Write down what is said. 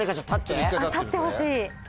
立ってほしい！